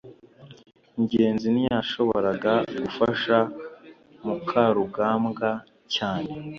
ngenzi ntiyashoboraga gufasha mukarugambwa cyane